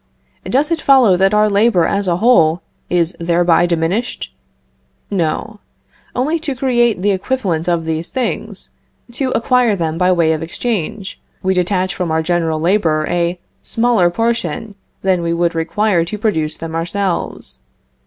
Does it follow that our labor, as a whole, is thereby diminished? No; only to create the equivalent of these things, to acquire them by way of exchange, we detach from our general labor a smaller portion than we would require to produce them ourselves.